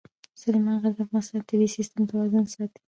سلیمان غر د افغانستان د طبعي سیسټم توازن ساتي.